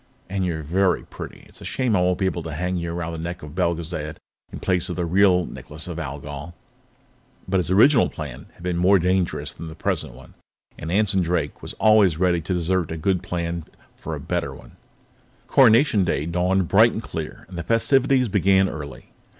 "And you're very pretty. It's a shame I won't be able to hang you around the neck of Belgezad in place of the real Necklace of Algol." But his original plan had been more dangerous than the present one, and Anson Drake was always ready to desert a good plan for a better one. Coronation Day dawned bright and clear, and the festivities began early.